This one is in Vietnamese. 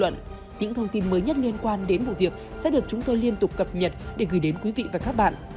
những thông tin mới nhất liên quan đến vụ việc sẽ được chúng tôi liên tục cập nhật để gửi đến quý vị và các bạn